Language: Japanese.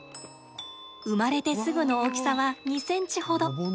生まれてすぐの大きさは２ｃｍほど。